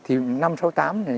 thì năm sáu mươi tám này